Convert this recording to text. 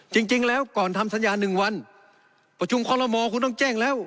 จริงแล้วก่อนทำสัญญา๑วันประชุมคอลโมคุณต้องแจ้งแล้ว